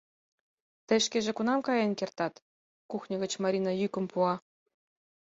— Тый шкеже кунам каен кертат? — кухньо гыч Марина йӱкым пуа.